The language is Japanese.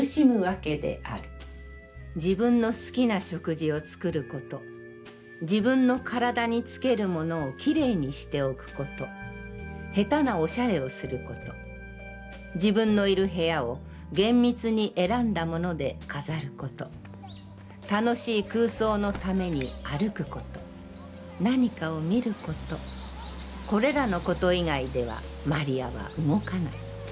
自分の好きな食事を造ること、自分の体につけるものを清潔にしておくこと、下手なお洒落をすること、自分のいる部屋を、厳密に選んだもので飾ること、楽しい空想の為に歩くこと、何かを観ること、これらのこと以外では魔利は動かない。